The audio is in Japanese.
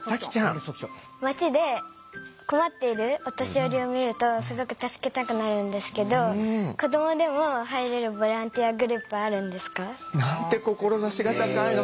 町で困っているお年寄りを見るとすごく助けたくなるんですけど子どもでも入れるボランティアグループはあるんですか？なんて志が高いの！